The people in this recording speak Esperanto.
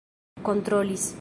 kontrolis